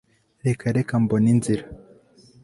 reka reka mbone inzira